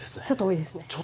ちょっと多いですね。